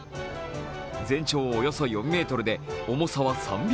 全長およそ４ｍで重さは３００ｋｇ。